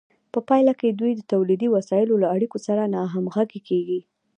په پایله کې دوی د تولیدي وسایلو له اړیکو سره ناهمغږې کیږي.